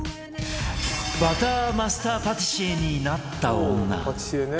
バターマスターパティシエになった女